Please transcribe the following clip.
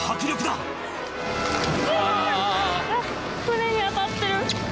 ・・船に当たってる